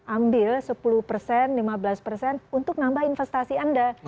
ambil sepuluh persen lima belas persen untuk nambah investasi anda